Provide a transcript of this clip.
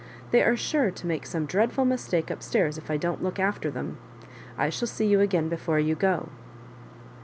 They are sure to make some dreadful mistake up stairs if I don't look after them. I shall see you again before you go."